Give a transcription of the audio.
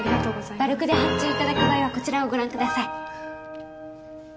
バルクで発注いただく場合はこちらをご覧ください